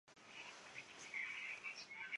彤城氏是中国文献记载到的远古姒姓氏族。